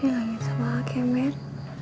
bilangin sama akemen